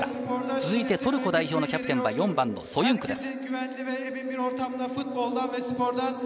続いて、トルコ代表のキャプテンは４番のソユンクです。